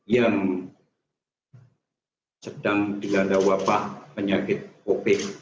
yang sedang dilanda wabah penyakit covid sembilan belas